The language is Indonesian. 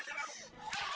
kamu bikin dia